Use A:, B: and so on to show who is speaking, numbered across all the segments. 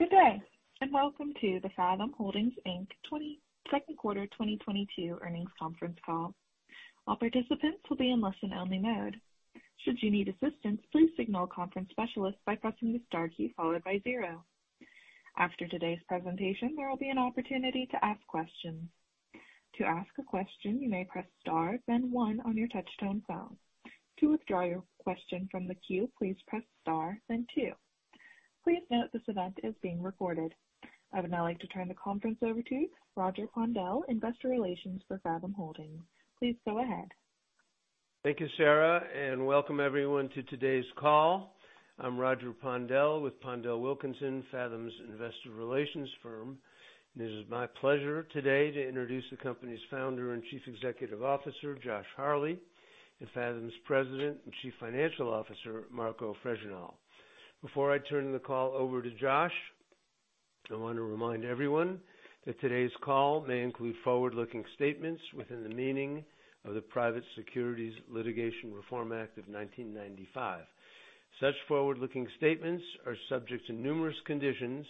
A: Good day, and welcome to the Fathom Holdings Inc. second quarter 2022 earnings conference call. All participants will be in listen-only mode. Should you need assistance, please signal a conference specialist by pressing the star key followed by zero. After today's presentation, there will be an opportunity to ask questions. To ask a question, you may press star then one on your touch-tone phone. To withdraw your question from the queue, please press star then two. Please note this event is being recorded. I would now like to turn the conference over to Roger Pondel, Investor Relations for Fathom Holdings. Please go ahead.
B: Thank you, Sarah, and welcome everyone to today's call. I'm Roger Pondel with PondelWilkinson, Fathom's investor relations firm. It is my pleasure today to introduce the company's founder and Chief Executive Officer, Josh Harley, and Fathom's President and Chief Financial Officer, Marco Fregenal. Before I turn the call over to Josh, I want to remind everyone that today's call may include forward-looking statements within the meaning of the Private Securities Litigation Reform Act of 1995. Such forward-looking statements are subject to numerous conditions,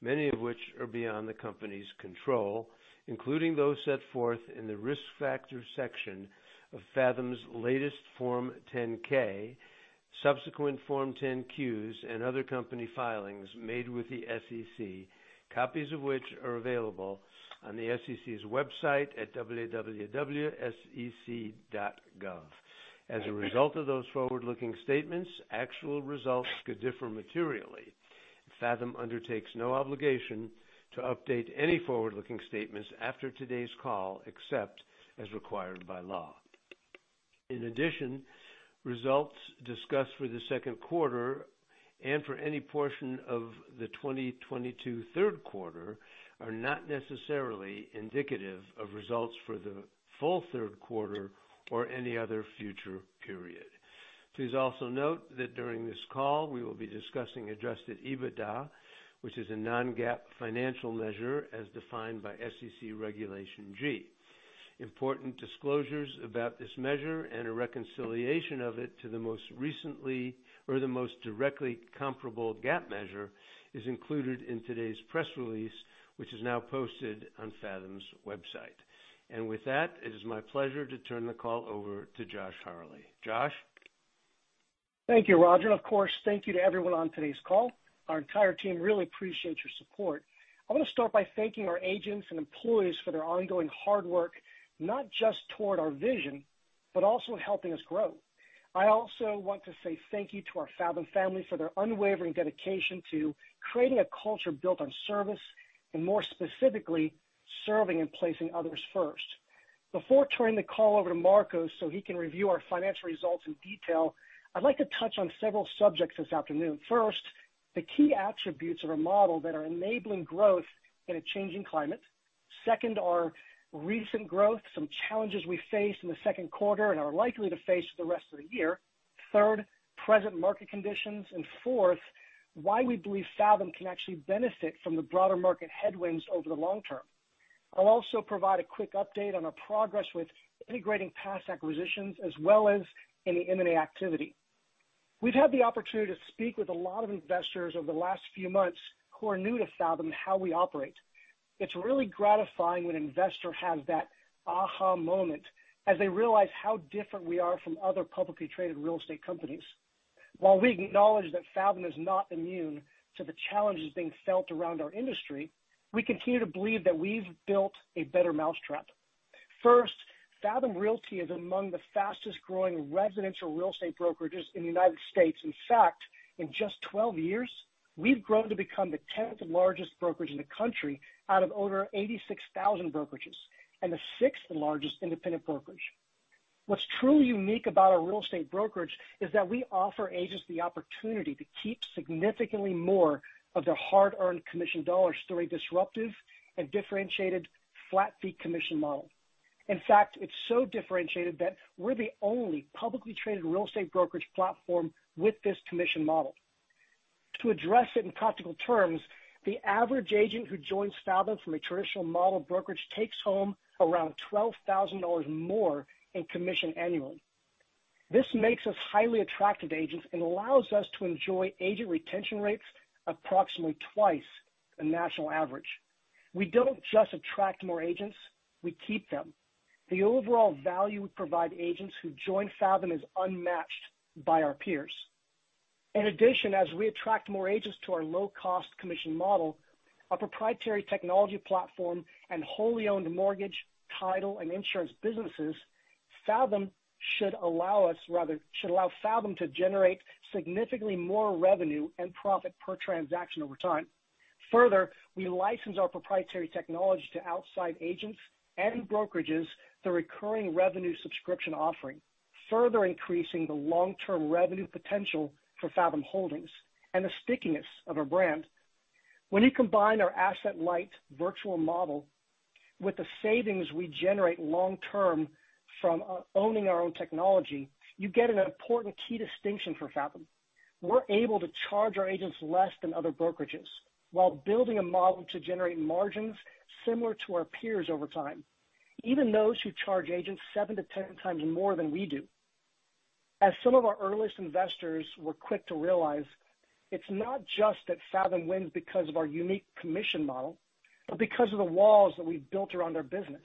B: many of which are beyond the company's control, including those set forth in the Risk Factors section of Fathom's latest Form 10-K, subsequent Form 10-Qs, and other company filings made with the SEC, copies of which are available on the SEC's website at www.sec.gov. As a result of those forward-looking statements, actual results could differ materially. Fathom undertakes no obligation to update any forward-looking statements after today's call, except as required by law. In addition, results discussed for the second quarter and for any portion of the 2022 third quarter are not necessarily indicative of results for the full third quarter or any other future period. Please also note that during this call, we will be discussing adjusted EBITDA, which is a non-GAAP financial measure as defined by SEC Regulation G. Important disclosures about this measure and a reconciliation of it to the most directly comparable GAAP measure is included in today's press release, which is now posted on Fathom's website. With that, it is my pleasure to turn the call over to Josh Harley. Josh?
C: Thank you, Roger. Of course, thank you to everyone on today's call. Our entire team really appreciates your support. I want to start by thanking our agents and employees for their ongoing hard work, not just toward our vision, but also in helping us grow. I also want to say thank you to our Fathom family for their unwavering dedication to creating a culture built on service, and more specifically, serving and placing others first. Before turning the call over to Marco so he can review our financial results in detail, I'd like to touch on several subjects this afternoon. First, the key attributes of our model that are enabling growth in a changing climate. Second, our recent growth, some challenges we faced in the second quarter and are likely to face for the rest of the year. Third, present market conditions. Fourth, why we believe Fathom can actually benefit from the broader market headwinds over the long term. I'll also provide a quick update on our progress with integrating past acquisitions as well as any M&A activity. We've had the opportunity to speak with a lot of investors over the last few months who are new to Fathom and how we operate. It's really gratifying when an investor has that aha moment as they realize how different we are from other publicly traded real estate companies. While we acknowledge that Fathom is not immune to the challenges being felt around our industry, we continue to believe that we've built a better mousetrap. First, Fathom Realty is among the fastest-growing residential real estate brokerages in the United States. In fact, in just 12 years, we've grown to become the 10th-largest brokerage in the country out of over 86,000 brokerages and the 6th-largest independent brokerage. What's truly unique about our real estate brokerage is that we offer agents the opportunity to keep significantly more of their hard-earned commission dollars through a disruptive and differentiated flat-fee commission model. In fact, it's so differentiated that we're the only publicly traded real estate brokerage platform with this commission model. To address it in practical terms, the average agent who joins Fathom from a traditional model brokerage takes home around $12,000 more in commission annually. This makes us highly attractive to agents and allows us to enjoy agent retention rates approximately twice the national average. We don't just attract more agents, we keep them. The overall value we provide agents who join Fathom is unmatched by our peers. In addition, as we attract more agents to our low-cost commission model, our proprietary technology platform and wholly owned mortgage, title, and insurance businesses, should allow Fathom to generate significantly more revenue and profit per transaction over time. Further, we license our proprietary technology to outside agents and brokerages, the recurring revenue subscription offering, further increasing the long-term revenue potential for Fathom Holdings and the stickiness of our brand. When you combine our asset-light virtual model with the savings we generate long term from owning our own technology, you get an important key distinction for Fathom. We're able to charge our agents less than other brokerages while building a model to generate margins similar to our peers over time, even those who charge agents 7-10 times more than we do. As some of our earliest investors were quick to realize, it's not just that Fathom wins because of our unique commission model, but because of the walls that we've built around our business.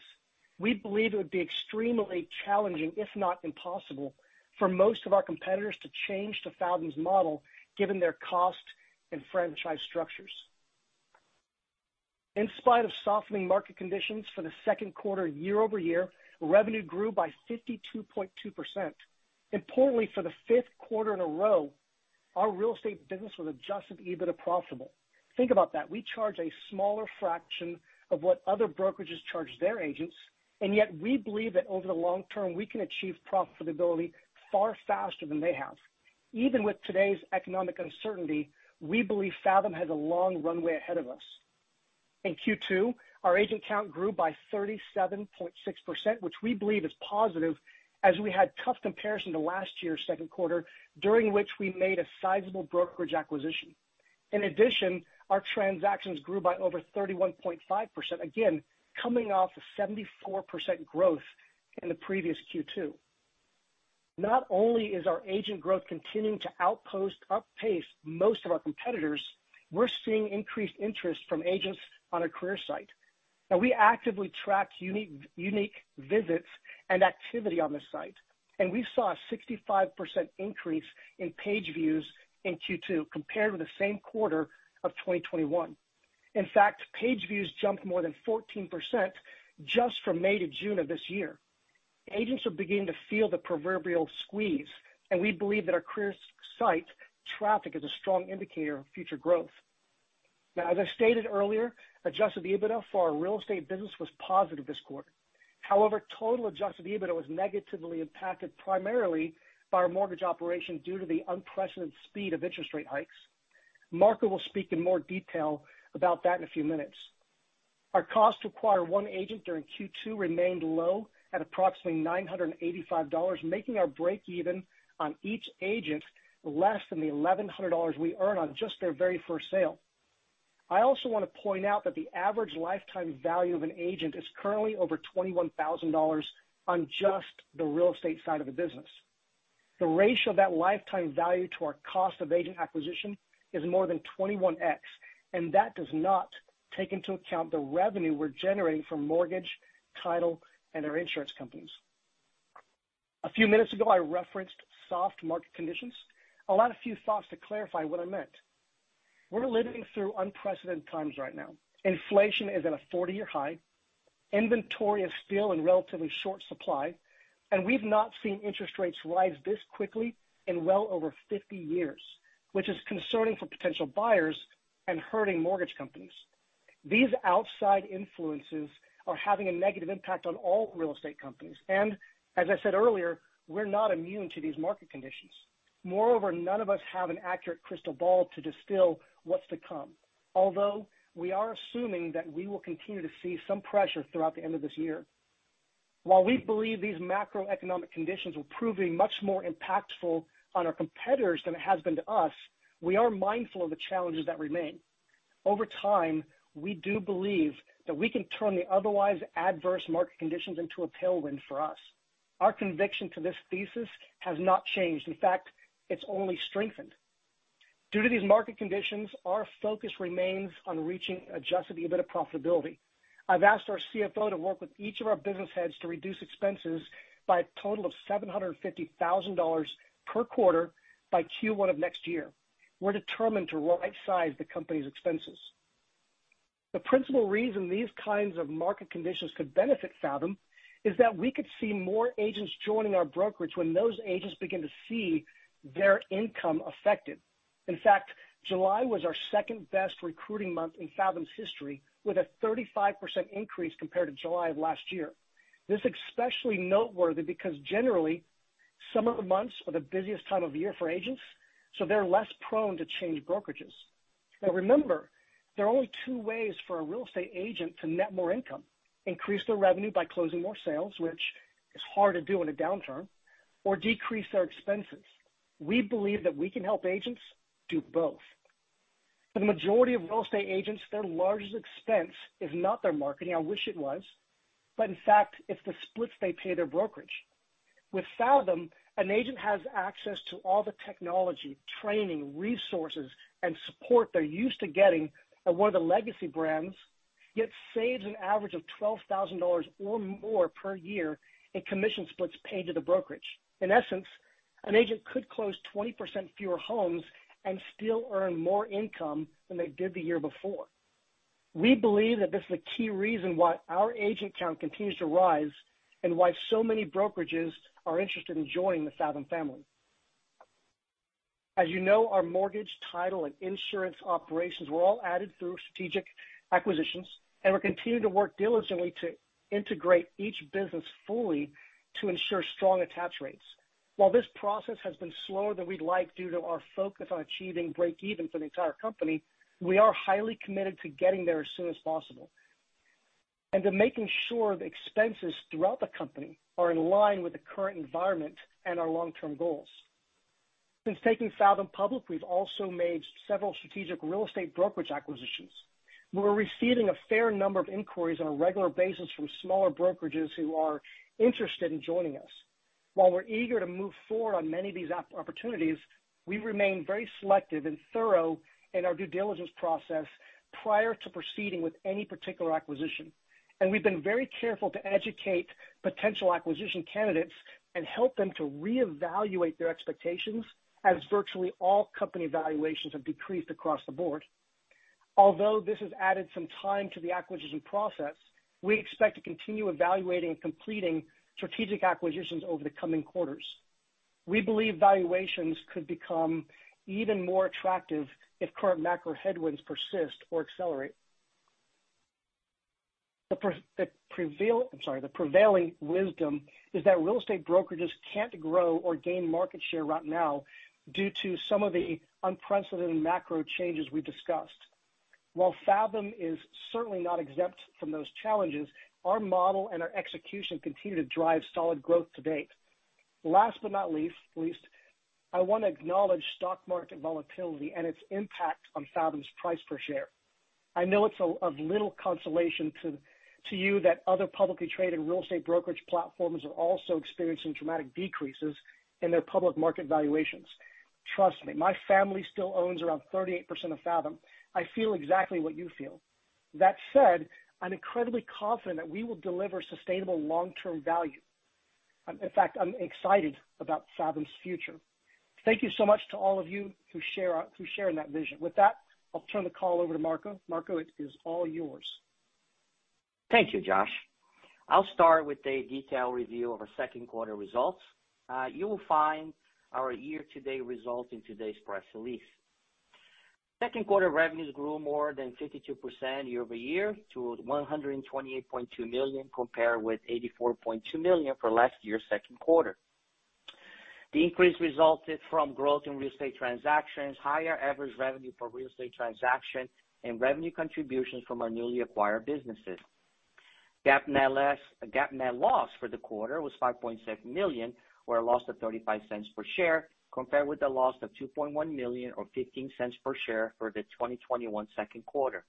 C: We believe it would be extremely challenging, if not impossible, for most of our competitors to change to Fathom's model given their cost and franchise structures. In spite of softening market conditions for the second quarter year-over-year, revenue grew by 52.2%. Importantly, for the fifth quarter in a row, our real estate business was adjusted EBITDA profitable. Think about that. We charge a smaller fraction of what other brokerages charge their agents, and yet we believe that over the long term, we can achieve profitability far faster than they have. Even with today's economic uncertainty, we believe Fathom has a long runway ahead of us. In Q2, our agent count grew by 37.6%, which we believe is positive as we had tough comparison to last year's second quarter, during which we made a sizable brokerage acquisition. In addition, our transactions grew by over 31.5%, again, coming off of 74% growth in the previous Q2. Not only is our agent growth continuing to outpace most of our competitors, we're seeing increased interest from agents on a career site. Now we actively track unique visits and activity on the site, and we saw a 65% increase in page views in Q2 compared with the same quarter of 2021. In fact, page views jumped more than 14% just from May to June of this year. Agents are beginning to feel the proverbial squeeze, and we believe that our careers site traffic is a strong indicator of future growth. Now, as I stated earlier, adjusted EBITDA for our real estate business was positive this quarter. However, total adjusted EBITDA was negatively impacted primarily by our mortgage operation due to the unprecedented speed of interest rate hikes. Marco will speak in more detail about that in a few minutes. Our cost to acquire one agent during Q2 remained low at approximately $985, making our break even on each agent less than the $1,100 we earn on just their very first sale. I also wanna point out that the average lifetime value of an agent is currently over $21,000 on just the real estate side of the business. The ratio of that lifetime value to our cost of agent acquisition is more than 21x, and that does not take into account the revenue we're generating from mortgage, title, and our insurance companies. A few minutes ago, I referenced soft market conditions. I'll add a few thoughts to clarify what I meant. We're living through unprecedented times right now. Inflation is at a 40-year high, inventory is still in relatively short supply, and we've not seen interest rates rise this quickly in well over 50 years, which is concerning for potential buyers and hurting mortgage companies. These outside influences are having a negative impact on all real estate companies. As I said earlier, we're not immune to these market conditions. Moreover, none of us have an accurate crystal ball to distill what's to come. Although we are assuming that we will continue to see some pressure throughout the end of this year. While we believe these macroeconomic conditions were proving much more impactful on our competitors than it has been to us, we are mindful of the challenges that remain. Over time, we do believe that we can turn the otherwise adverse market conditions into a tailwind for us. Our conviction to this thesis has not changed. In fact, it's only strengthened. Due to these market conditions, our focus remains on reaching adjusted EBITDA profitability. I've asked our CFO to work with each of our business heads to reduce expenses by a total of $750,000 per quarter by Q1 of next year. We're determined to rightsize the company's expenses. The principal reason these kinds of market conditions could benefit Fathom is that we could see more agents joining our brokerage when those agents begin to see their income affected. In fact, July was our second-best recruiting month in Fathom's history, with a 35% increase compared to July of last year. This is especially noteworthy because generally, summer months are the busiest time of year for agents, so they're less prone to change brokerages. Now remember, there are only two ways for a real estate agent to net more income, increase their revenue by closing more sales, which is hard to do in a downturn, or decrease their expenses. We believe that we can help agents do both. For the majority of real estate agents, their largest expense is not their marketing. I wish it was. But in fact, it's the splits they pay their brokerage. With Fathom, an agent has access to all the technology, training, resources, and support they're used to getting at one of the legacy brands, yet saves an average of $12,000 or more per year in commission splits paid to the brokerage. In essence, an agent could close 20% fewer homes and still earn more income than they did the year before. We believe that this is a key reason why our agent count continues to rise and why so many brokerages are interested in joining the Fathom family. As you know, our mortgage, title, and insurance operations were all added through strategic acquisitions, and we're continuing to work diligently to integrate each business fully to ensure strong attach rates. While this process has been slower than we'd like due to our focus on achieving break even for the entire company, we are highly committed to getting there as soon as possible. To making sure the expenses throughout the company are in line with the current environment and our long-term goals. Since taking Fathom public, we've also made several strategic real estate brokerage acquisitions. We're receiving a fair number of inquiries on a regular basis from smaller brokerages who are interested in joining us. While we're eager to move forward on many of these opportunities, we remain very selective and thorough in our due diligence process prior to proceeding with any particular acquisition. We've been very careful to educate potential acquisition candidates and help them to reevaluate their expectations, as virtually all company valuations have decreased across the board. Although this has added some time to the acquisition process, we expect to continue evaluating and completing strategic acquisitions over the coming quarters. We believe valuations could become even more attractive if current macro headwinds persist or accelerate. I'm sorry, the prevailing wisdom is that real estate brokerages can't grow or gain market share right now due to some of the unprecedented macro changes we discussed. While Fathom is certainly not exempt from those challenges, our model and our execution continue to drive solid growth to date. Last but not least, I wanna acknowledge stock market volatility and its impact on Fathom's price per share. I know it's of little consolation to you that other publicly traded real estate brokerage platforms are also experiencing dramatic decreases in their public market valuations. Trust me, my family still owns around 38% of Fathom. I feel exactly what you feel. That said, I'm incredibly confident that we will deliver sustainable long-term value. In fact, I'm excited about Fathom's future. Thank you so much to all of you who share in that vision. With that, I'll turn the call over to Marco. Marco, it is all yours.
D: Thank you, Josh. I'll start with a detailed review of our second quarter results. You will find our year-to-date results in today's press release. Second quarter revenues grew more than 52% year-over-year to $128.2 million, compared with $84.2 million for last year's second quarter. The increase resulted from growth in real estate transactions, higher average revenue per real estate transaction, and revenue contributions from our newly acquired businesses. GAAP net loss for the quarter was $5.6 million, or a loss of $0.35 per share, compared with a loss of $2.1 million or $0.15 per share for the 2021 second quarter.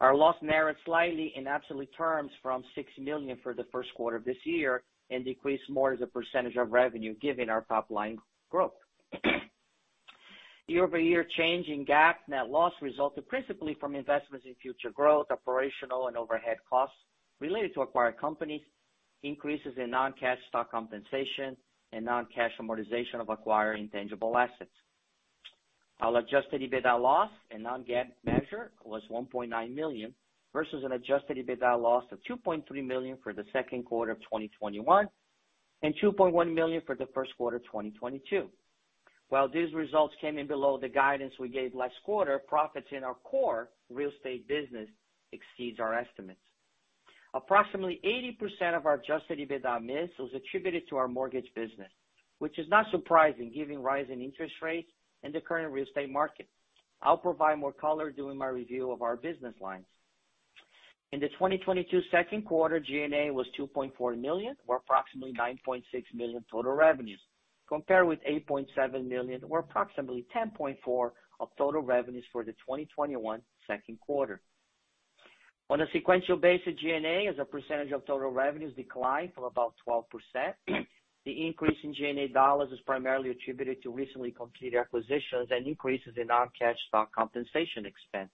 D: Our loss narrowed slightly in absolute terms from $6 million for the first quarter of this year and decreased more as a percentage of revenue given our top-line growth. Year-over-year change in GAAP net loss resulted principally from investments in future growth, operational and overhead costs related to acquired companies, increases in non-cash stock compensation, and non-cash amortization of acquired intangible assets. Our adjusted EBITDA loss, a non-GAAP measure, was $1.9 million versus an adjusted EBITDA loss of $2.3 million for the second quarter of 2021, and $2.1 million for the first quarter of 2022. While these results came in below the guidance we gave last quarter, profits in our core real estate business exceeds our estimates. Approximately 80% of our adjusted EBITDA miss was attributed to our mortgage business, which is not surprising given rise in interest rates in the current real estate market. I'll provide more color during my review of our business lines. In the 2022 second quarter, G&A was $2.4 million, or approximately 9.6% of total revenues, compared with $8.7 million, or approximately 10.4% of total revenues for the 2021 second quarter. On a sequential basis, G&A, as a percentage of total revenues, declined to about 12%. The increase in G&A dollars is primarily attributed to recently completed acquisitions and increases in non-cash stock compensation expense.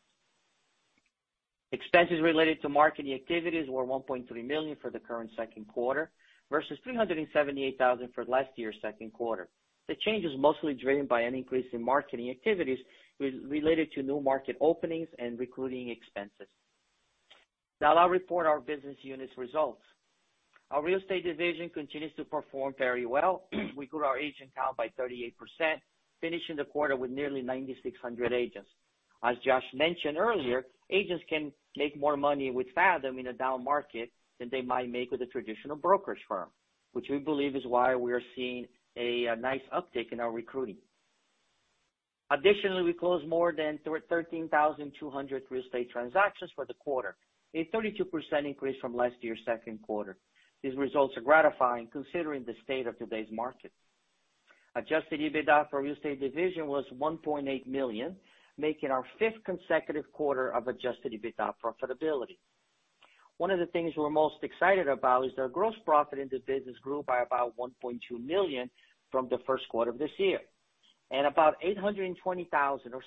D: Expenses related to marketing activities were $1.3 million for the current second quarter versus $378,000 for last year's second quarter. The change is mostly driven by an increase in marketing activities related to new market openings and recruiting expenses. Now I'll report our business units results. Our real estate division continues to perform very well. We grew our agent count by 38%, finishing the quarter with nearly 9,600 agents. As Josh mentioned earlier, agents can make more money with Fathom in a down market than they might make with a traditional brokerage firm, which we believe is why we are seeing a nice uptick in our recruiting. Additionally, we closed more than 13,200 real estate transactions for the quarter, a 32% increase from last year's second quarter. These results are gratifying considering the state of today's market. Adjusted EBITDA for real estate division was $1.8 million, making our fifth consecutive quarter of adjusted EBITDA profitability. One of the things we're most excited about is that our gross profit in the business grew by about $1.2 million from the first quarter of this year. About $820,000 or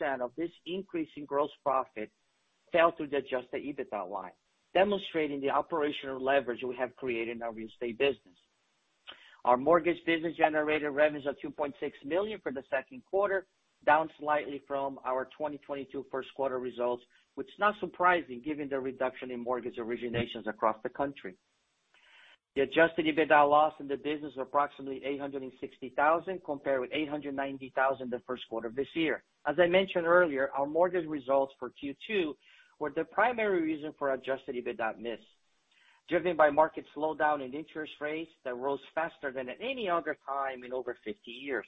D: 70% of this increase in gross profit fell through the Adjusted EBITDA line, demonstrating the operational leverage we have created in our real estate business. Our mortgage business generated revenues of $2.6 million for the second quarter, down slightly from our 2022 first quarter results, which is not surprising given the reduction in mortgage originations across the country. The Adjusted EBITDA loss in the business was approximately $860,000, compared with $890,000 the first quarter of this year. As I mentioned earlier, our mortgage results for Q2 were the primary reason for our adjusted EBITDA miss, driven by market slowdown and interest rates that rose faster than at any other time in over 50 years.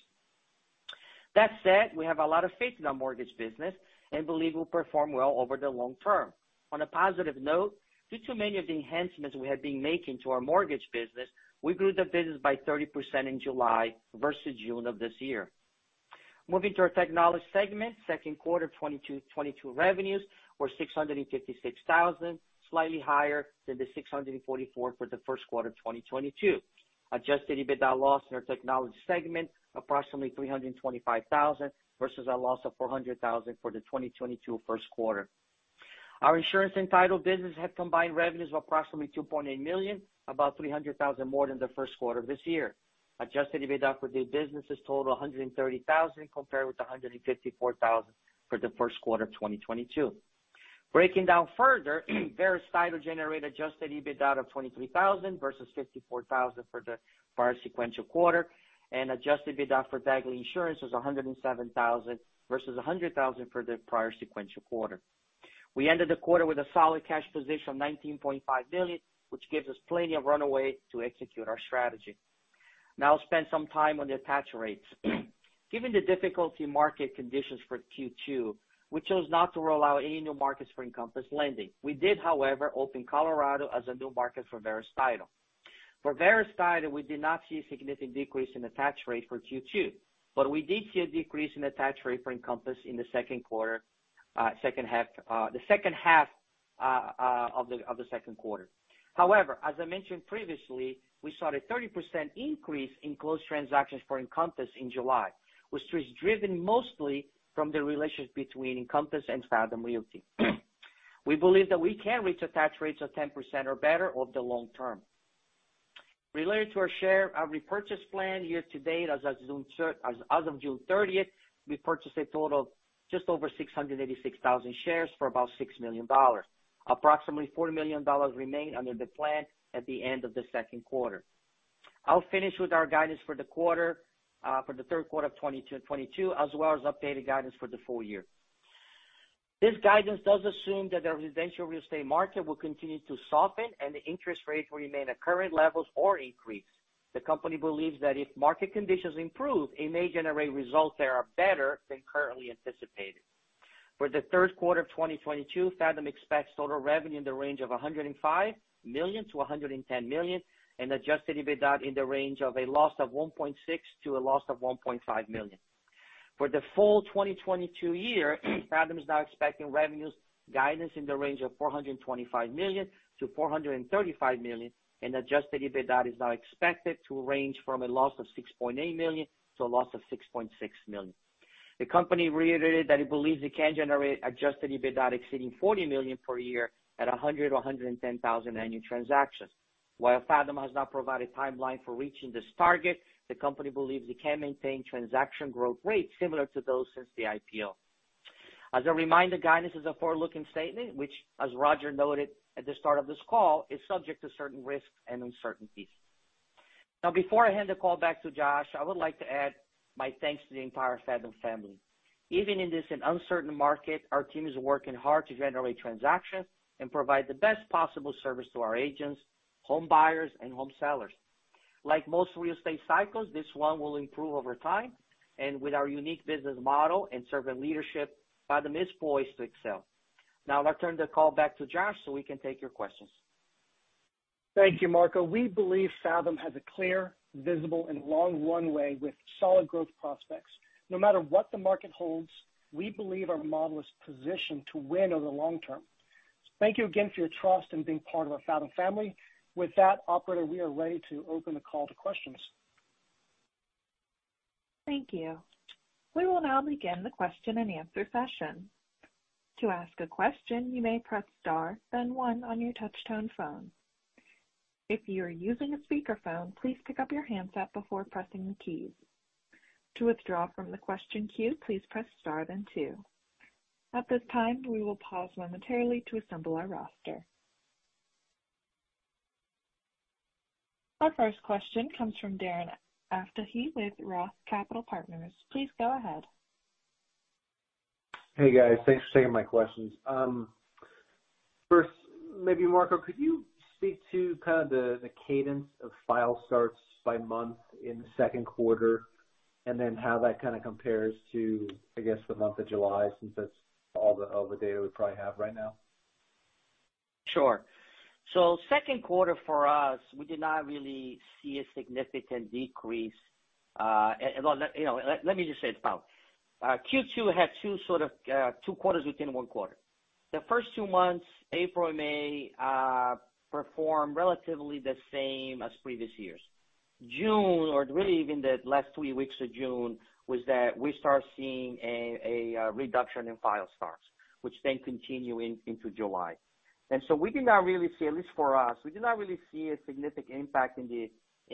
D: That said, we have a lot of faith in our mortgage business and believe we'll perform well over the long term. On a positive note, due to many of the enhancements we have been making to our mortgage business, we grew the business by 30% in July versus June of this year. Moving to our technology segment, second quarter 2022 revenues were $656,000, slightly higher than the $644,000 for the first quarter of 2022. Adjusted EBITDA loss in our technology segment, approximately $325,000 versus a loss of $400,000 for the 2022 first quarter. Our insurance and title business had combined revenues of approximately $2.8 million, about $300,000 more than the first quarter of this year. Adjusted EBITDA for the business is total $130,000, compared with $154,000 for the first quarter of 2022. Breaking down further, Verus Title generated adjusted EBITDA of $23,000 versus $54,000 for the prior sequential quarter, and adjusted EBITDA for Dagley Insurance was $107,000 versus $100,000 for the prior sequential quarter. We ended the quarter with a solid cash position of $19.5 billion, which gives us plenty of runway to execute our strategy. Now I'll spend some time on the attach rates. Given the difficulty market conditions for Q2, we chose not to roll out any new markets for Encompass Lending. We did, however, open Colorado as a new market for Verus Title. For Verus Title, we did not see a significant decrease in attach rate for Q2, but we did see a decrease in attach rate for Encompass in the second half of the second quarter. However, as I mentioned previously, we saw a 30% increase in closed transactions for Encompass in July, which was driven mostly from the relationship between Encompass and Fathom Realty. We believe that we can reach attach rates of 10% or better over the long term. Related to our share repurchase plan, year to date, as of June 30th, we purchased a total of just over 686,000 shares for about $6 million. Approximately $40 million remained under the plan at the end of the second quarter. I'll finish with our guidance for the quarter, for the third quarter of 2022, as well as updated guidance for the full year. This guidance does assume that the residential real estate market will continue to soften and the interest rates will remain at current levels or increase. The company believes that if market conditions improve, it may generate results that are better than currently anticipated. For the third quarter of 2022, Fathom expects total revenue in the range of $105 million-$110 million, and adjusted EBITDA in the range of a loss of $1.6 million to a loss of $1.5 million. For the full 2022 year, Fathom is now expecting revenue guidance in the range of $425 million-$435 million, and adjusted EBITDA is now expected to range from a loss of $6.8 million to a loss of $6.6 million. The company reiterated that it believes it can generate adjusted EBITDA exceeding $40 million per year at 100,000-110,000 annual transactions. While Fathom has not provided timeline for reaching this target, the company believes it can maintain transaction growth rates similar to those since the IPO. As a reminder, guidance is a forward-looking statement, which, as Roger noted at the start of this call, is subject to certain risks and uncertainties. Now before I hand the call back to Josh, I would like to add my thanks to the entire Fathom family. Even in this, an uncertain market, our team is working hard to generate transactions and provide the best possible service to our agents, home buyers and home sellers. Like most real estate cycles, this one will improve over time. With our unique business model and servant leadership, Fathom is poised to excel. Now I'll return the call back to Josh, so we can take your questions.
C: Thank you, Marco. We believe Fathom has a clear, visible and long runway with solid growth prospects. No matter what the market holds, we believe our model is positioned to win over the long term. Thank you again for your trust in being part of our Fathom family. With that, operator, we are ready to open the call to questions.
A: Thank you. We will now begin the question-and-answer session. To ask a question, you may press star then one on your touch-tone phone. If you are using a speakerphone, please pick up your handset before pressing the keys. To withdraw from the question queue, please press star then two. At this time, we will pause momentarily to assemble our roster. Our first question comes from Darren Aftahi with Roth Capital Partners. Please go ahead.
E: Hey, guys. Thanks for taking my questions. First, maybe Marco, could you speak to kind of the cadence of file starts by month in the second quarter, and then how that kinda compares to, I guess, the month of July since that's all the data we probably have right now?
D: Sure. Second quarter for us, we did not really see a significant decrease. Well, you know, let me just say it this way. Q2 had two sort of two quarters within one quarter. The first two months, April and May, performed relatively the same as previous years. June, or really even the last three weeks of June, was that we started seeing a reduction in file starts, which then continued into July. We did not really see a significant impact in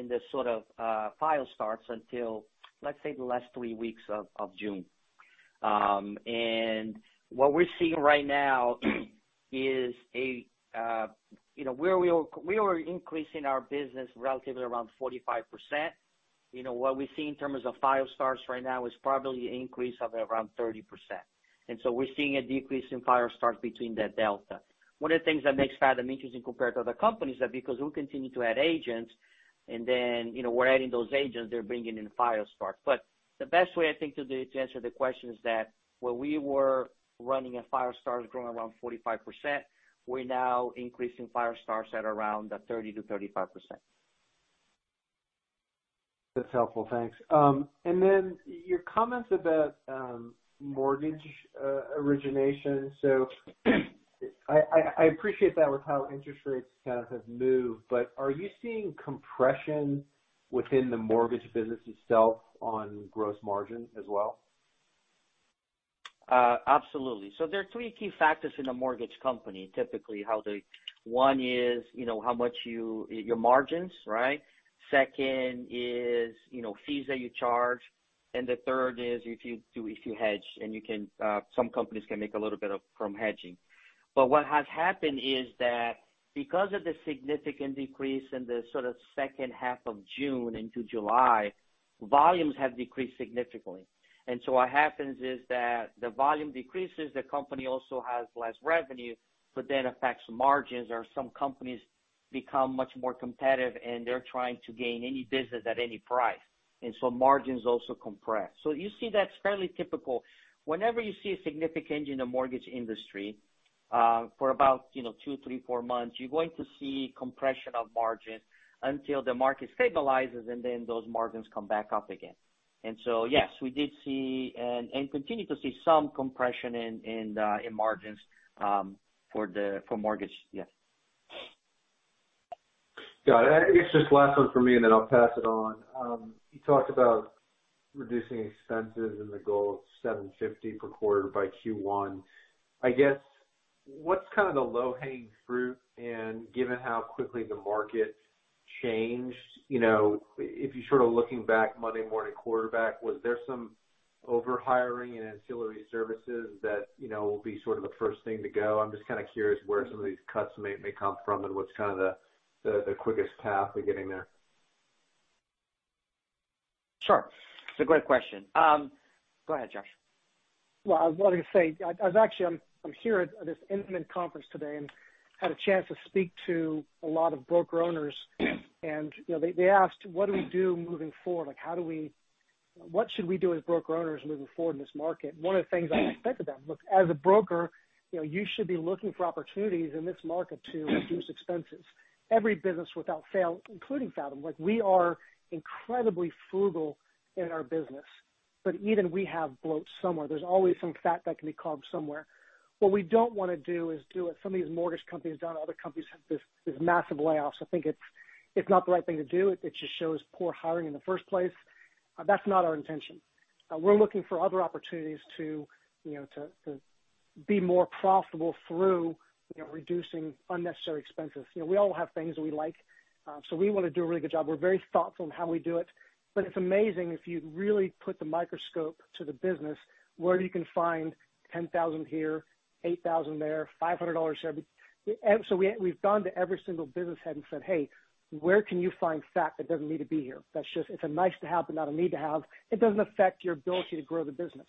D: the sort of file starts until, let's say, the last three weeks of June. What we're seeing right now is we were increasing our business relatively around 45%. What we see in terms of file starts right now is probably an increase of around 30%. We're seeing a decrease in file starts between that delta. One of the things that makes Fathom interesting compared to other companies is that because we continue to add agents, we're adding those agents, they're bringing in file starts. The best way I think to answer the question is that where we were running file starts growing around 45%, we're now increasing file starts at around 30%-35%.
E: That's helpful. Thanks. Your comments about mortgage origination. I appreciate that with how interest rates kind of have moved, but are you seeing compression within the mortgage business itself on gross margin as well?
D: Absolutely. There are three key factors in a mortgage company, typically. One is, you know, your margins, right? Second is, you know, fees that you charge. The third is if you hedge, and you can, some companies can make a little bit of money from hedging. What has happened is that because of the significant decrease in the sort of second half of June into July, volumes have decreased significantly. What happens is that the volume decreases, the company also has less revenue, but then affects margins, or some companies become much more competitive, and they're trying to gain any business at any price. Margins also compress. You see that's fairly typical. Whenever you see a significant change in the mortgage industry, for about, you know, 2, 3, 4 months, you're going to see compression of margins until the market stabilizes, and then those margins come back up again. Yes, we did see and continue to see some compression in margins for the mortgage. Yes.
E: Got it. I think it's just last one for me, and then I'll pass it on. You talked about reducing expenses and the goal of $750 per quarter by Q1. I guess, what's kind of the low-hanging fruit? Given how quickly the market changed, you know, if you're sort of looking back Monday morning quarterback, was there some over-hiring in ancillary services that, you know, will be sort of the first thing to go? I'm just kind of curious where some of these cuts may come from and what's kind of the quickest path to getting there.
D: Sure. It's a great question. Go ahead, Josh.
C: Well, I was actually here at this intimate conference today and had a chance to speak to a lot of broker-owners. You know, they asked what we do moving forward. Like, how do we? What should we do as broker-owners moving forward in this market? One of the things I expected them, look, as a broker, you know, you should be looking for opportunities in this market to reduce expenses. Every business without fail, including Fathom. Like, we are incredibly frugal in our business, but even we have bloat somewhere. There's always some fat that can be cut somewhere. What we don't wanna do is do what some of these mortgage companies have done, other companies have this massive layoffs. I think it's not the right thing to do. It just shows poor hiring in the first place. That's not our intention. We're looking for other opportunities to, you know, to be more profitable through, you know, reducing unnecessary expenses. You know, we all have things that we like, so we wanna do a really good job. We're very thoughtful in how we do it. It's amazing if you really put the microscope to the business where you can find $10,000 here, $8,000 there, $500 there. We've gone to every single business head and said, "Hey, where can you find fat that doesn't need to be here? That's just, it's a nice to have, but not a need to have. It doesn't affect your ability to grow the business."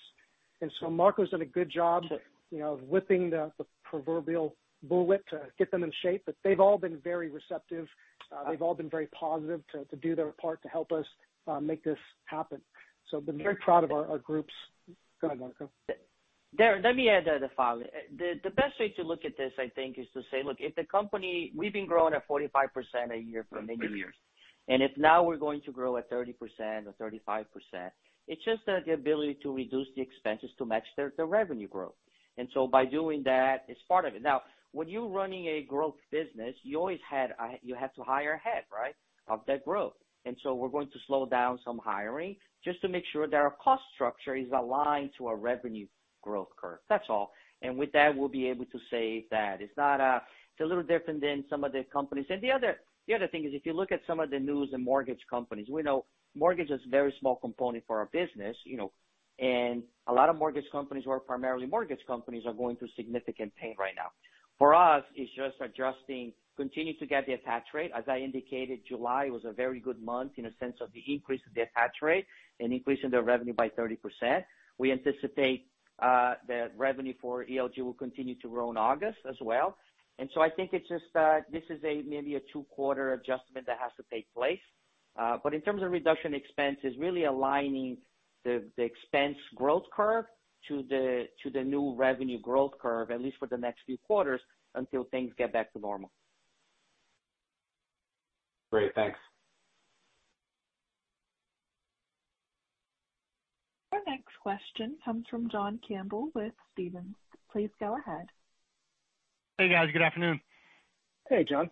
C: Marco's done a good job of, you know, whipping the proverbial bullwhip to get them in shape, but they've all been very receptive. They've all been very positive to do their part to help us make this happen. I've been very proud of our groups. Go ahead, Marco.
D: Darren, let me add the following. The best way to look at this, I think, is to say, look, if the company. We've been growing at 45% a year for many years. If now we're going to grow at 30% or 35%, it's just the ability to reduce the expenses to match the revenue growth. By doing that, it's part of it. Now, when you're running a growth business, you have to hire ahead of that growth, right? We're going to slow down some hiring just to make sure that our cost structure is aligned to our revenue growth curve. That's all. With that, we'll be able to say that it's not, it's a little different than some of the companies. The other thing is, if you look at some of the news and mortgage companies, we know mortgage is a very small component for our business, you know, and a lot of mortgage companies who are primarily mortgage companies are going through significant pain right now. For us, it's just adjusting, continue to get the attach rate. As I indicated, July was a very good month in a sense of the increase of the attach rate and increase in the revenue by 30%. We anticipate the revenue for ELG will continue to grow in August as well. I think it's just that this is maybe a 2-quarter adjustment that has to take place. In terms of reduction expense, it's really aligning the expense growth curve to the new revenue growth curve, at least for the next few quarters, until things get back to normal.
E: Great. Thanks.
A: Our next question comes from John Campbell with Stephens. Please go ahead.
F: Hey, guys. Good afternoon.
C: Hey, John.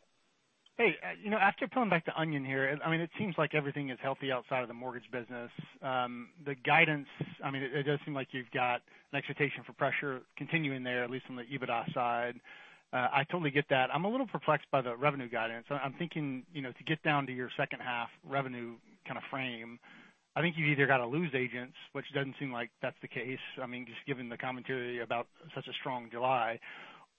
F: Hey, you know, after peeling back the onion here, I mean, it seems like everything is healthy outside of the mortgage business. The guidance, I mean, it does seem like you've got an expectation for pressure continuing there, at least on the EBITDA side. I totally get that. I'm a little perplexed by the revenue guidance. I'm thinking, you know, to get down to your second half revenue kind of frame. I think you've either gotta lose agents, which doesn't seem like that's the case. I mean, just given the commentary about such a strong July,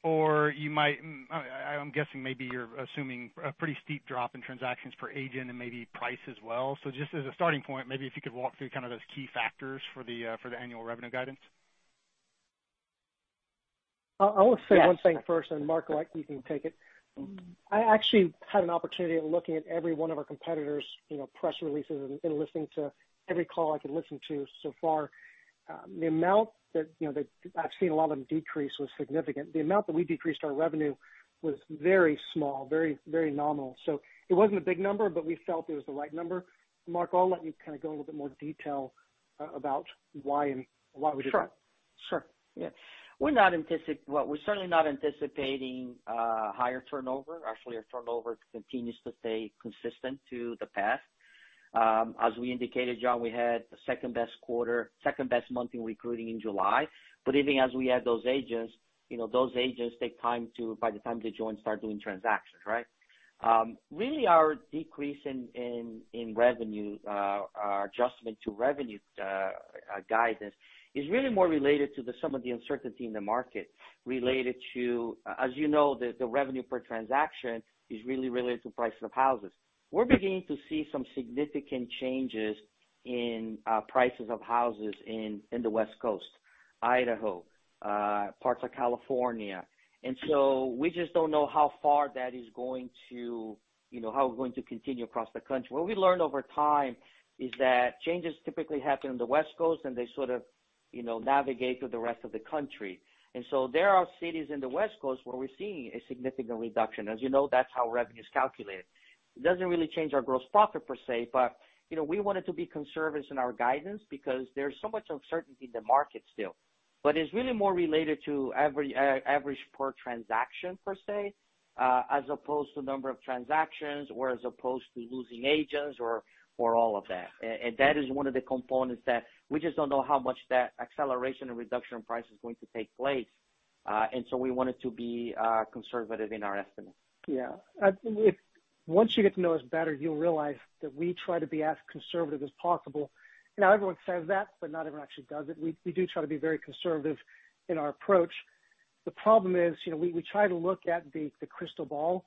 F: or you might, I'm guessing, maybe you're assuming a pretty steep drop in transactions per agent and maybe price as well. Just as a starting point, maybe if you could walk through kind of those key factors for the annual revenue guidance.
C: I wanna say one thing first, and Marco, like, you can take it. I actually had an opportunity of looking at every one of our competitors', you know, press releases and listening to every call I could listen to so far. The amount that, you know, that I've seen a lot of them decrease was significant. The amount that we decreased our revenue was very small, very nominal. It wasn't a big number, but we felt it was the right number. Marco, I'll let you kind of go into a little bit more detail about why we did that.
D: Sure, sure. Yeah. We're certainly not anticipating higher turnover. Actually, our turnover continues to stay consistent to the past. As we indicated, John, we had the second best quarter, second best month in recruiting in July. Even as we add those agents, you know, those agents take time to, by the time they join, start doing transactions, right? Really our decrease in revenue, our adjustment to revenue guidance is really more related to some of the uncertainty in the market related to, as you know, the revenue per transaction is really related to prices of houses. We're beginning to see some significant changes in prices of houses in the West Coast, Idaho, parts of California. We just don't know how far that is going to, you know, how we're going to continue across the country. What we learned over time is that changes typically happen on the West Coast, and they sort of, you know, navigate through the rest of the country. There are cities on the West Coast where we're seeing a significant reduction. As you know, that's how revenue is calculated. It doesn't really change our gross profit per se, but, you know, we wanted to be conservative in our guidance because there's so much uncertainty in the market still. It's really more related to every average per transaction per se as opposed to number of transactions or as opposed to losing agents or all of that. That is one of the components that we just don't know how much that acceleration and reduction in price is going to take place. We wanted to be conservative in our estimates.
C: Yeah. I think once you get to know us better, you'll realize that we try to be as conservative as possible. You know, everyone says that, but not everyone actually does it. We do try to be very conservative in our approach. The problem is, you know, we try to look at the crystal ball,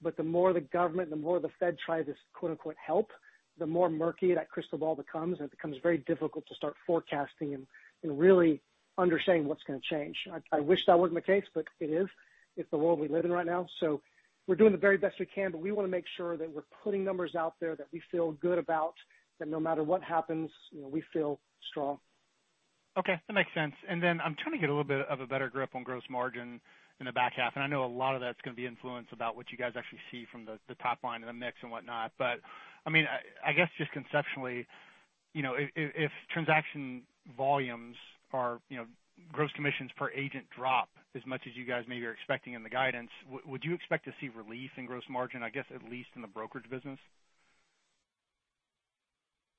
C: but the more the government, the more the Fed try to quote-unquote help, the more murky that crystal ball becomes, and it becomes very difficult to start forecasting and really understanding what's gonna change. I wish that wasn't the case, but it is. It's the world we live in right now. We're doing the very best we can, but we wanna make sure that we're putting numbers out there that we feel good about, that no matter what happens, you know, we feel strong.
F: Okay, that makes sense. Then I'm trying to get a little bit of a better grip on gross margin in the back half, and I know a lot of that's gonna be influenced about what you guys actually see from the top line and the mix and whatnot. I mean, I guess just conceptually, you know, if transaction volumes are, you know, gross commissions per agent drop as much as you guys maybe are expecting in the guidance, would you expect to see relief in gross margin, I guess, at least in the brokerage business?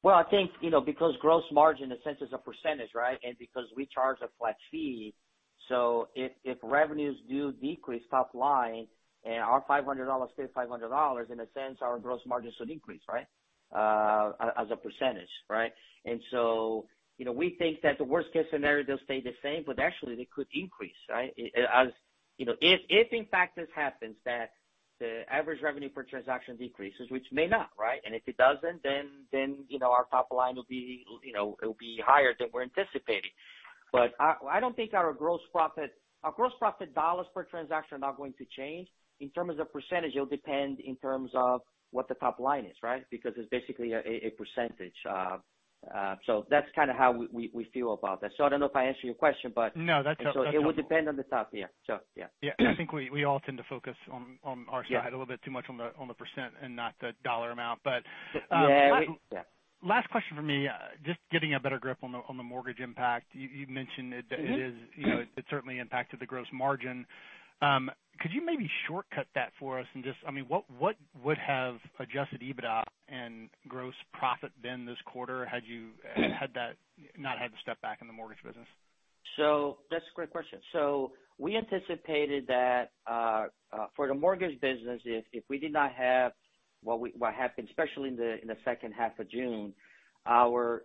D: Well, I think, you know, because gross margin in a sense is a percentage, right? Because we charge a flat fee, so if revenues do decrease top line and our $500 stays $500, in a sense, our gross margin should increase, right? As a percentage, right? You know, we think that the worst case scenario, they'll stay the same, but actually they could increase, right? As, you know, if in fact this happens that the average revenue per transaction decreases, which may not, right? If it doesn't, then you know, our top line will be, you know, it will be higher than we're anticipating. I don't think our gross profit dollars per transaction are not going to change. In terms of percentage, it'll depend in terms of what the top line is, right? Because it's basically a percentage. That's kinda how we feel about that. I don't know if I answered your question, but.
F: No, that's helpful.
D: It would depend on the top, yeah. Yeah.
F: Yeah. I think we all tend to focus on our side.
D: Yeah.
F: A little bit too much on the percent and not the dollar amount. But
D: Yeah. Yeah.
F: Last question from me. Just getting a better grip on the mortgage impact. You mentioned it is.
C: Mm-hmm.
F: You know, it certainly impacted the gross margin. Could you maybe shortcut that for us and just, I mean, what would have adjusted EBITDA and gross profit been this quarter had that not had the step back in the mortgage business?
D: That's a great question. We anticipated that, for the mortgage business if we did not have what happened, especially in the second half of June, our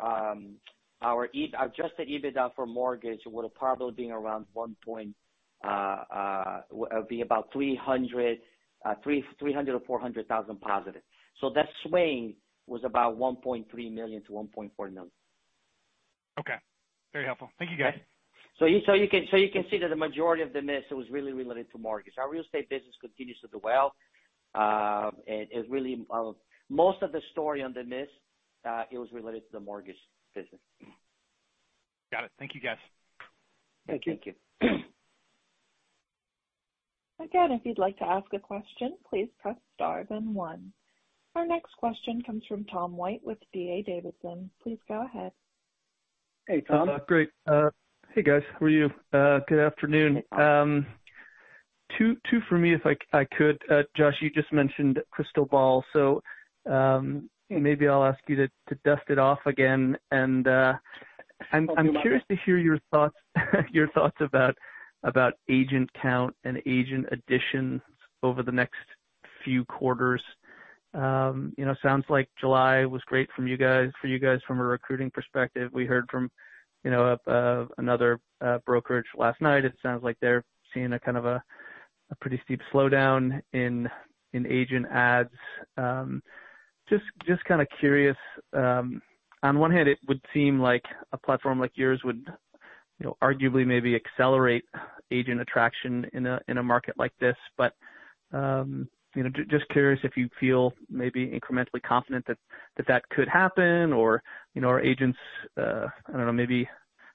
D: adjusted EBITDA for mortgage would have probably been around $300,000 or $400,000 positive. That swing was about $1.3 million-$1.4 million.
F: Okay. Very helpful. Thank you, guys.
D: You can see that the majority of the miss was really related to mortgage. Our real estate business continues to do well. It is really most of the story on the miss. It was related to the mortgage business.
F: Got it. Thank you, guys.
C: Thank you.
D: Thank you.
A: Again, if you'd like to ask a question, please press star then one. Our next question comes from Tom White with D.A. Davidson. Please go ahead.
C: Hey, Tom.
G: Great. Hey, guys. How are you? Good afternoon. Two for me, if I could. Josh, you just mentioned crystal ball, so maybe I'll ask you to dust it off again. I'm curious to hear your thoughts about agent count and agent additions over the next few quarters. You know, sounds like July was great for you guys from a recruiting perspective. We heard from, you know, another brokerage last night. It sounds like they're seeing a kind of a pretty steep slowdown in agent adds. Just kinda curious. On one hand, it would seem like a platform like yours would, you know, arguably maybe accelerate agent attraction in a market like this. You know, just curious if you feel maybe incrementally confident that that could happen or, you know, are agents, I don't know, maybe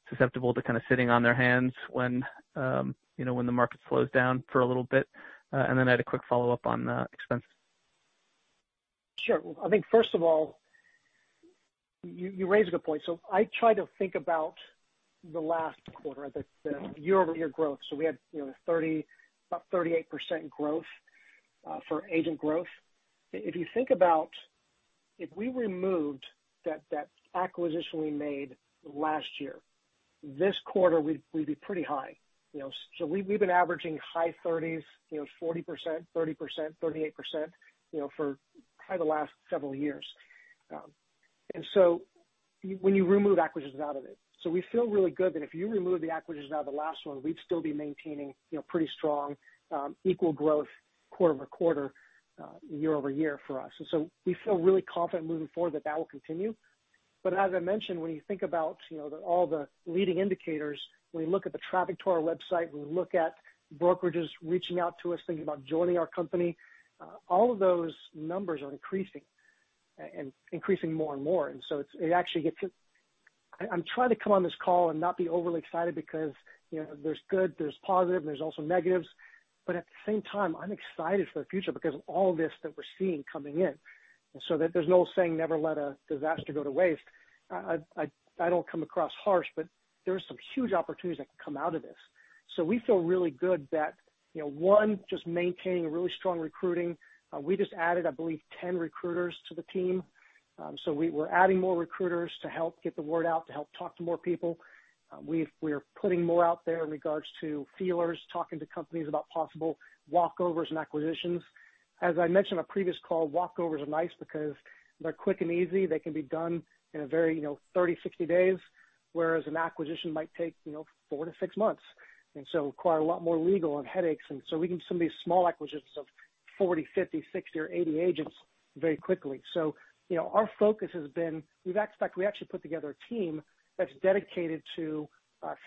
G: susceptible to kinda sitting on their hands when, you know, when the market slows down for a little bit. Then I had a quick follow-up on expense.
C: Sure. I think first of all, you raised a good point. I try to think about the last quarter, the year-over-year growth. We had, you know, about 38% growth for agent growth. If you think about if we removed that acquisition we made last year, this quarter we'd be pretty high. You know, so we've been averaging high 30s, you know, 40%, 30%, 38%, you know, for probably the last several years. When you remove acquisitions out of it. We feel really good that if you remove the acquisitions out of the last one, we'd still be maintaining, you know, pretty strong organic growth quarter-over-quarter, year-over-year for us. We feel really confident moving forward that that will continue. As I mentioned, when you think about, you know, all the leading indicators, when you look at the traffic to our website, when you look at brokerages reaching out to us thinking about joining our company, all of those numbers are increasing, and increasing more and more. I'm trying to come on this call and not be overly excited because, you know, there's good, there's positive, and there's also negatives. At the same time, I'm excited for the future because of all this that we're seeing coming in. There's an old saying, never let a disaster go to waste. I don't come across harsh, but there are some huge opportunities that can come out of this. We feel really good that, you know, one, just maintaining a really strong recruiting. We just added, I believe, 10 recruiters to the team. We're adding more recruiters to help get the word out, to help talk to more people. We are putting more out there in regards to feelers, talking to companies about possible walkovers and acquisitions. As I mentioned on a previous call, walkovers are nice because they're quick and easy. They can be done in a very, you know, 30, 60 days, whereas an acquisition might take, you know, 4-6 months, and so require a lot more legal and headaches. We can do some of these small acquisitions of 40, 50, 60 or 80 agents very quickly. You know, our focus has been. In fact, we actually put together a team that's dedicated to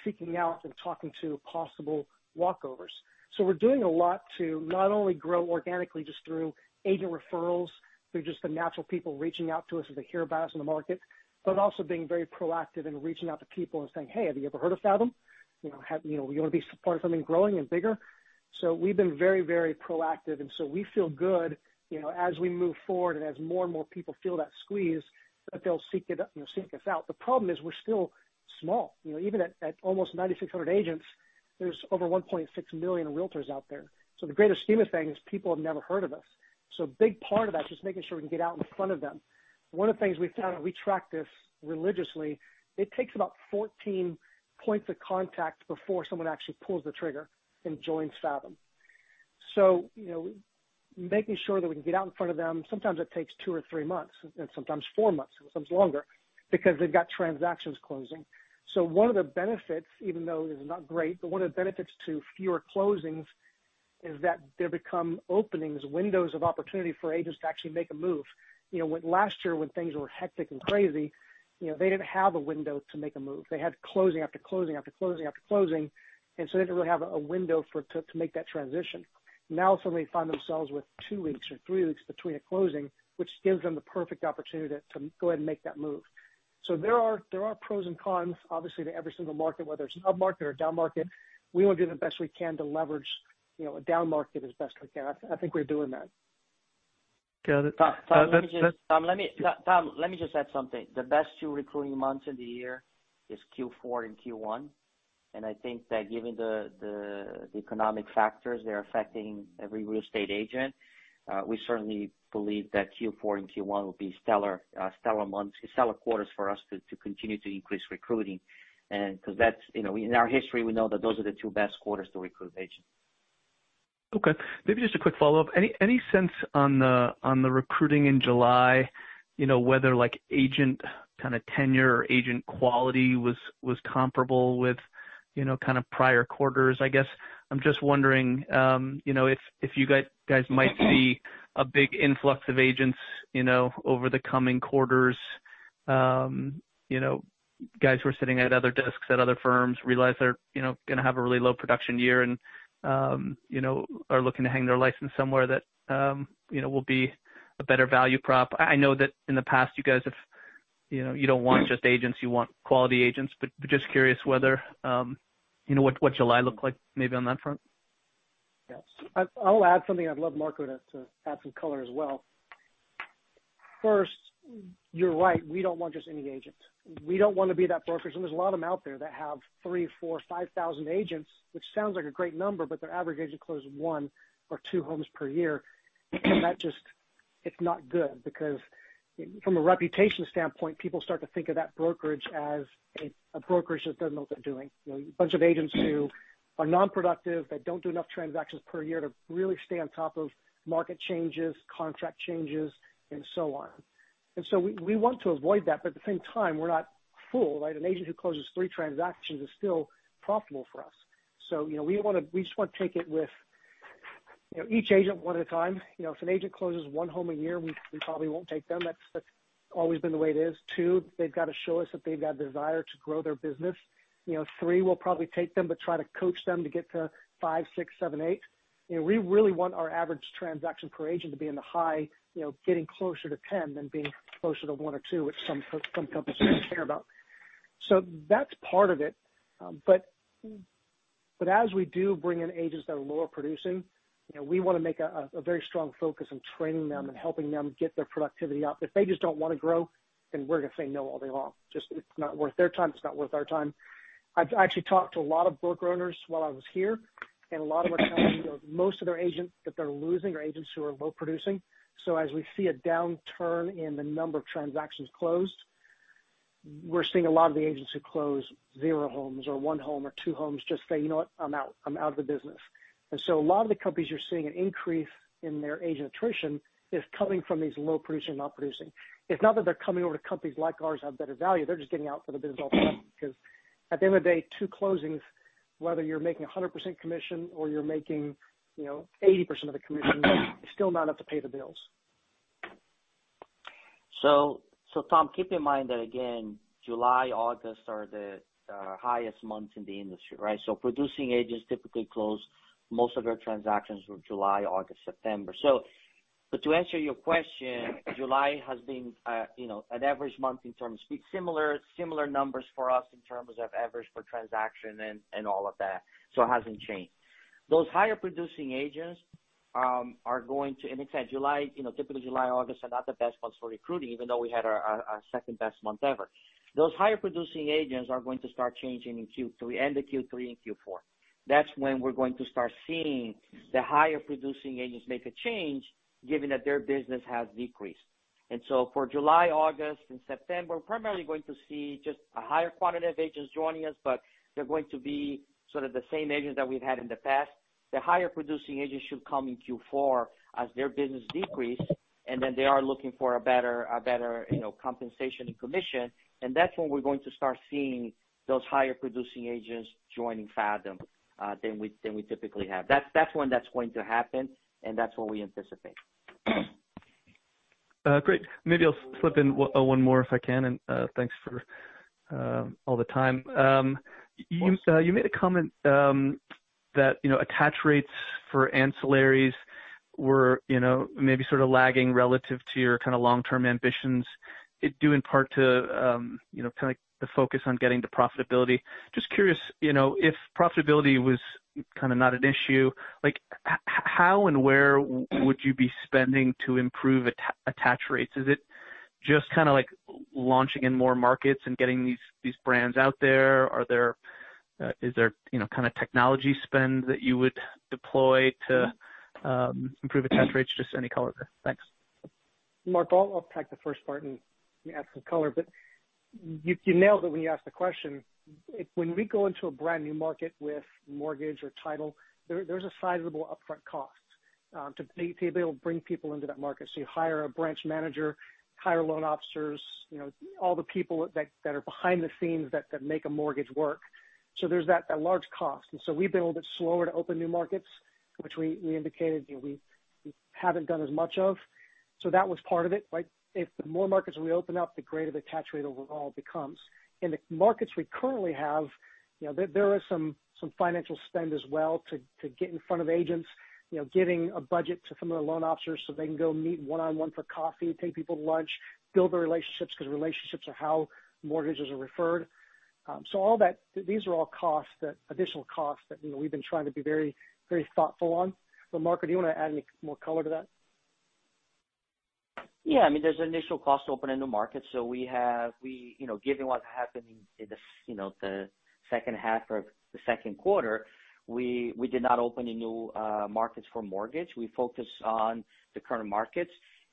C: seeking out and talking to possible walkovers. We're doing a lot to not only grow organically just through agent referrals, through just the natural people reaching out to us as they hear about us in the market, but also being very proactive in reaching out to people and saying, "Hey, have you ever heard of Fathom? You know, have, you know, you wanna be part of something growing and bigger?" We've been very, very proactive, and so we feel good, you know, as we move forward and as more and more people feel that squeeze, that they'll seek it, you know, seek us out. The problem is we're still small. You know, even at almost 9,600 agents, there's over 1.6 million realtors out there. In the grand scheme of things, people have never heard of us. A big part of that is just making sure we can get out in front of them. One of the things we've found, and we track this religiously, it takes about 14 points of contact before someone actually pulls the trigger and joins Fathom. You know, making sure that we can get out in front of them, sometimes it takes 2 or 3 months, and sometimes 4 months, sometimes longer, because they've got transactions closing. One of the benefits, even though it is not great, but one of the benefits to fewer closings is that there become openings, windows of opportunity for agents to actually make a move. You know, last year when things were hectic and crazy, you know, they didn't have a window to make a move. They had closing after closing after closing after closing, and so they didn't really have a window for to make that transition. Now, suddenly they find themselves with two weeks or three weeks between a closing, which gives them the perfect opportunity to go ahead and make that move. There are pros and cons, obviously, to every single market, whether it's an upmarket or a down market. We wanna do the best we can to leverage, you know, a down market as best we can. I think we're doing that.
G: Got it.
D: Tom, let me just.
G: That's.
D: Tom, let me just add something. The best two recruiting months of the year is Q4 and Q1. I think that given the economic factors that are affecting every real estate agent, we certainly believe that Q4 and Q1 will be stellar months, stellar quarters for us to continue to increase recruiting. 'Cause that's, you know, in our history, we know that those are the two best quarters to recruit agents.
G: Okay. Maybe just a quick follow-up. Any sense on the recruiting in July, you know, whether like agent kinda tenure or agent quality was comparable with, you know, kind of prior quarters, I guess? I'm just wondering, you know, if you guys might see a big influx of agents, you know, over the coming quarters, you know, guys who are sitting at other desks at other firms realize they're, you know, gonna have a really low production year and, you know, are looking to hang their license somewhere that, you know, will be a better value prop. I know that in the past you guys have, you know, you don't want just agents, you want quality agents. Just curious whether, you know, what July looked like maybe on that front.
C: Yes. I'll add something. I'd love Marco to add some color as well. First, you're right. We don't want just any agent. We don't wanna be that brokerage, and there's a lot of them out there, that have 3,000, 4,000, 5,000 agents, which sounds like a great number, but their average agent closes one or two homes per year. It's not good because from a reputation standpoint, people start to think of that brokerage as a brokerage that doesn't know what they're doing. You know, a bunch of agents who are non-productive, that don't do enough transactions per year to really stay on top of market changes, contract changes, and so on. We want to avoid that, but at the same time, we're not full, right? An agent who closes three transactions is still profitable for us. You know, we just wanna take it with, you know, each agent one at a time. You know, if an agent closes 1 home a year, we probably won't take them. That's always been the way it is. 2, they've got to show us that they've got desire to grow their business. You know, 3, we'll probably take them, but try to coach them to get to 5, 6, 7, 8. You know, we really want our average transaction per agent to be in the high, you know, getting closer to 10 than being closer to 1 or 2, which some companies don't care about. That's part of it. But as we do bring in agents that are lower producing, you know, we wanna make a very strong focus on training them and helping them get their productivity up. If they just don't wanna grow, then we're gonna say no all day long. Just it's not worth their time, it's not worth our time. I've actually talked to a lot of broker owners while I was here, and a lot of them are telling me that most of their agents that they're losing are agents who are low producing. As we see a downturn in the number of transactions closed, we're seeing a lot of the agents who close zero homes or one home or two homes just say, "You know what? I'm out. I'm out of the business." A lot of the companies you're seeing an increase in their agent attrition is coming from these low producing and not producing. It's not that they're coming over to companies like ours have better value. They're just getting out of the business altogether. Because at the end of the day, 2 closings, whether you're making 100% commission or you're making, you know, 80% of the commission, it's still not enough to pay the bills.
D: Tom, keep in mind that again, July, August are the highest months in the industry, right? Producing agents typically close most of their transactions with July, August, September. But to answer your question, July has been, you know, an average month in terms of it's similar numbers for us in terms of average per transaction and all of that. It hasn't changed. In fact, July, you know, typically July, August are not the best months for recruiting, even though we had our second-best month ever. Those higher producing agents are going to start changing in Q3, end of Q3 and Q4. That's when we're going to start seeing the higher producing agents make a change given that their business has decreased. For July, August and September, primarily we're going to see just a higher quantity of agents joining us, but they're going to be sort of the same agents that we've had in the past. The higher producing agents should come in Q4 as their business decrease, and then they are looking for a better, you know, compensation and commission. That's when we're going to start seeing those higher producing agents joining Fathom than we typically have. That's when that's going to happen, and that's what we anticipate.
G: Great. Maybe I'll slip in one more if I can, and thanks for all the time. You made a comment that you know, attach rates for ancillaries were you know, maybe sort of lagging relative to your kinda long-term ambitions. It's due in part to you know, kinda the focus on getting to profitability. Just curious, you know, if profitability was kinda not an issue, like how and where would you be spending to improve attach rates? Is it just kinda like launching in more markets and getting these brands out there? Is there you know, kinda technology spend that you would deploy to improve attach rates? Just any color there. Thanks.
C: Marco, I'll take the first part and you add some color, but you nailed it when you asked the question. When we go into a brand new market with mortgage or title, there's a sizable upfront cost to be able to bring people into that market. You hire a branch manager, hire loan officers, you know, all the people that are behind the scenes that make a mortgage work. There's that large cost. We've been a little bit slower to open new markets, which we indicated, you know, we haven't done as much of. That was part of it, right? The more markets we open up, the greater the attach rate overall becomes. In the markets we currently have, you know, there is some financial spend as well to get in front of agents, you know, giving a budget to some of the loan officers so they can go meet one-on-one for coffee, take people to lunch, build the relationships, because relationships are how mortgages are referred. These are all additional costs that, you know, we've been trying to be very thoughtful on. Marco, do you wanna add any more color to that?
D: Yeah. I mean, there's an initial cost to open a new market. We, you know, given what happened in the second half or the second quarter, we did not open any new markets for mortgage. We focused on the current markets.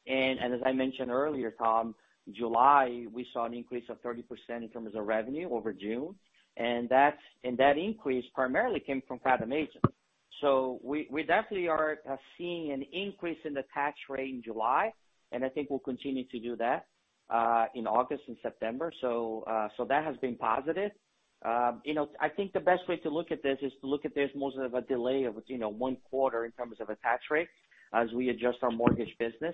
D: As I mentioned earlier, Tom, July, we saw an increase of 30% in terms of revenue over June, and that increase primarily came from Fathom Agent. We definitely are seeing an increase in attach rate in July, and I think we'll continue to do that in August and September. That has been positive. You know, I think the best way to look at this is to look at this more as a delay of, you know, one quarter in terms of attach rate as we adjust our mortgage business.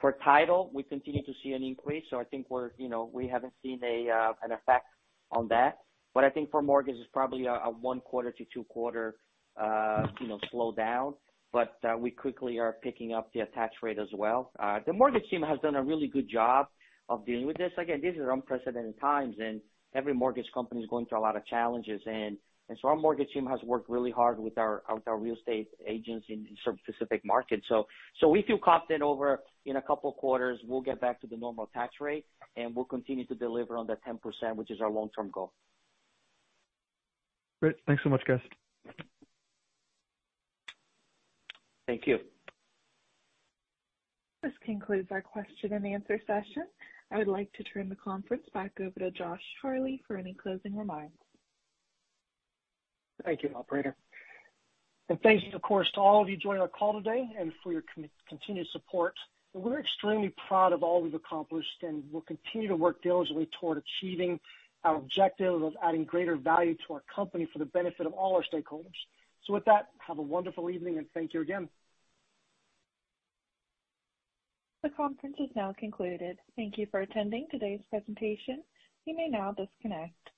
D: For title, we continue to see an increase, so I think we're, you know, we haven't seen an effect on that. But I think for mortgage, it's probably a one-quarter to two-quarter slowdown, but we quickly are picking up the attach rate as well. The mortgage team has done a really good job of dealing with this. Again, these are unprecedented times, and every mortgage company is going through a lot of challenges. Our mortgage team has worked really hard with our real estate agents in some specific markets. we feel confident over, you know, couple quarters, we'll get back to the normal attach rate, and we'll continue to deliver on that 10%, which is our long-term goal.
G: Great. Thanks so much, guys.
D: Thank you.
A: This concludes our question and answer session. I would like to turn the conference back over to Josh Harley for any closing remarks.
C: Thank you, operator. Thanks, of course, to all of you joining our call today and for your continued support. We're extremely proud of all we've accomplished, and we'll continue to work diligently toward achieving our objective of adding greater value to our company for the benefit of all our stakeholders. With that, have a wonderful evening, and thank you again.
A: The conference is now concluded. Thank you for attending today's presentation. You may now disconnect.